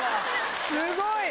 すごい。